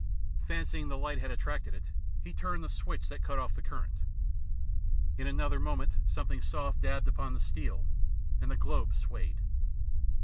Fancy ing the light had attracted it, he turned the switch that cut off the current. In another moment some thing soft dabbed upon the steel, and the globe swayed.